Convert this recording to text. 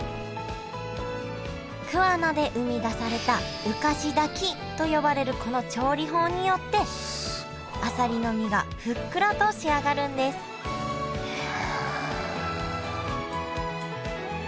桑名で生み出された浮かし炊きと呼ばれるこの調理法によってあさりの身がふっくらと仕上がるんですへえ。